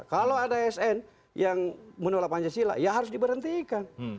kalau ada asn yang menolak pancasila ya harus diberhentikan